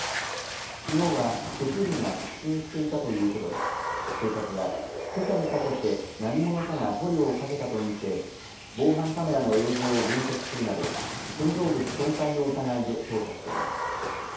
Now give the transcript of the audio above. きのうは職員が出勤していたということで警察はけさにかけて何者かが塗料をかけたと見て防犯カメラの映像を分析するなど建造物損壊の疑いで捜査しています。